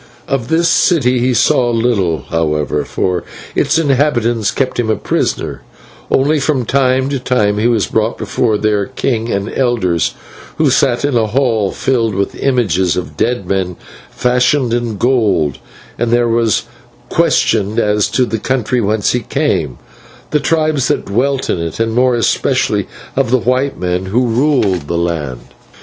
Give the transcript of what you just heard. "Of this city he saw little, however, for its inhabitants kept him a prisoner, only from time to time he was brought before their king and elders, who sat in a hall filled with images of dead men fashioned in gold, and there was questioned as to the country whence he came, the tribes that dwelt in it, and more especially of the white men who ruled the land.